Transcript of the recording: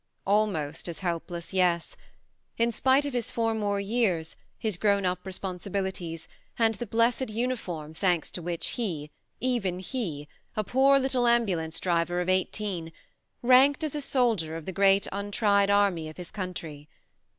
Almost as help less, yes in spite of his four more years, 92 THE MARNE his grown up responsibilities, and the blessed uniform thanks to which he, even he, a poor little ambulance driver of eighteen, ranked as a soldier of the great untried army of his country.